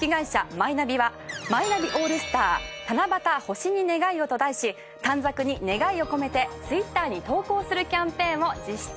マイナビはマイナビオールスター七夕星に願いをと題し短冊に願いを込めてツイッターに投稿するキャンペーンを実施中！